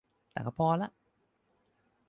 แต่ก็พอละ